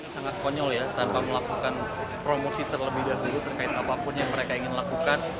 sangat konyol ya tanpa melakukan promosi terlebih dahulu terkait apapun yang mereka ingin lakukan